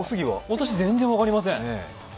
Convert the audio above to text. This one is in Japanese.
私、全然分かりません。